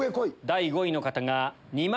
第５位の方が２万。